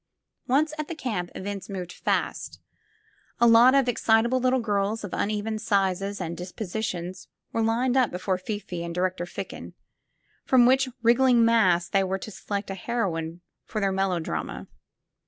Once at the camp, events moved fast. A lot of ex citable little girls of uneven sizes and dispositions were lined up before Fifi and Director Ficken, from which wriggling mass they were to select a heroine for their melodrama.